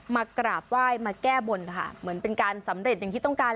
มากราบไหว้มาแก้บนค่ะเหมือนเป็นการสำเร็จอย่างที่ต้องการ